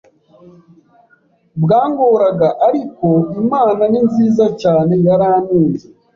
bwangoraga ariko Imana ni nziza cyane yarantunze